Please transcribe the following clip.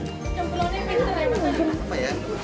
jempolnya pinter ya betul